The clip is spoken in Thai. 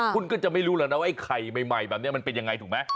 คุณก็จะไม่รู้แล้วนะว่าไอ้ไข่ใหม่แบบนี้มันเป็นยังไงถูกไหม